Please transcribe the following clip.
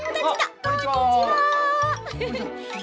こんにちは。